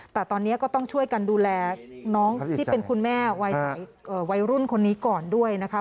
แต่ตอนนี้ก็ต้องช่วยกันดูแลน้องที่เป็นคุณแม่วัยรุ่นคนนี้ก่อนด้วยนะคะ